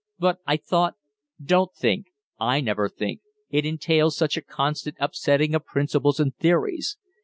But I thought " "Don't think. I never think; it entails such a constant upsetting of principles and theories.